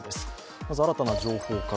まず、新たな情報から。